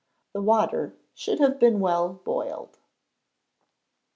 The water should have been well boiled.